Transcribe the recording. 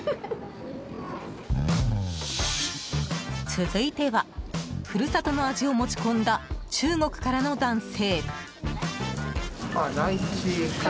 続いては故郷の味を持ち込んだ中国からの男性。